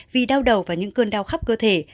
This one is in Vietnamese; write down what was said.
vì đau đầu và những cơn đau khắp cơ thể